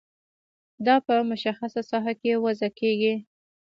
دا په مشخصه ساحه کې وضع کیږي.